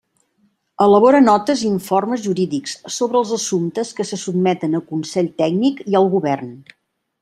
Elabora notes i informes jurídics sobre els assumptes que se sotmeten a Consell Tècnic i al Govern.